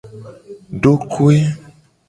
Dokoe.